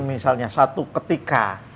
misalnya satu ketika